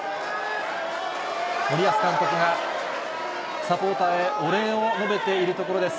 森保監督がサポーターへ、お礼を述べているところです。